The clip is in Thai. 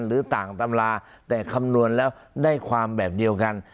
หรือต่างตำราแต่คำนวณแล้วได้ความแบบเดียวกัน